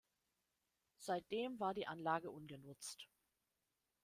Seitdem war die Anlage ungenutzt.